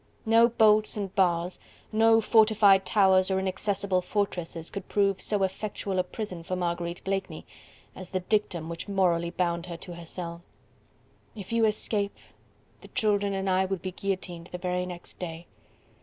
No bolts and bars, no fortified towers or inaccessible fortresses could prove so effectual a prison for Marguerite Blakeney as the dictum which morally bound her to her cell. "If you escape the children and I would be guillotined the very next day."